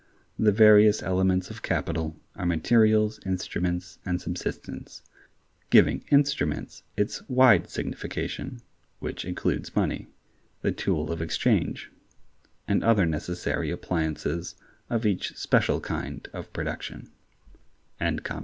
The various elements of capital are materials, instruments, and subsistence, giving "instruments" its wide signification which includes money (the tool of exchange), and other necessary appliances of each special kind of production.